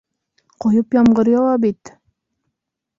- Ҡойоп ямғыр яуа бит.